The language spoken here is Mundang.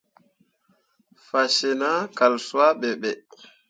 Fasyen ah kal suah ɓe be.